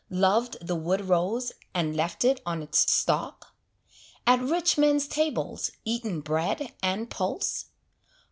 Loved the wood rose, and left it on its stalk? At rich men's tables eaten bread and pulse?